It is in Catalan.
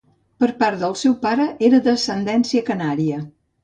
Per part del seu pare, era d'ascendència canària.